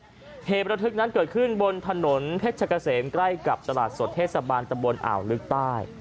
เหตุระทึกนั้นเกิดขึ้นบนถนนเพชรเกษมใกล้กับตลาดสดเทศบาลตำบลอ่าวลึกใต้